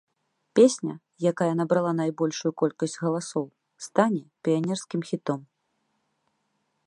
Песня, якая набрала найбольшую колькасць галасоў, стане піянерскім хітом.